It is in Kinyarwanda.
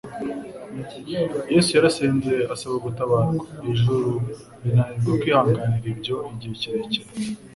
Yesu yarasenze, asaba gutabarwa. Ijuru rinanirwa kwihanganira ibyo igihe kirekire,